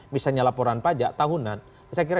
misalnya laporan pajak tahunan saya kira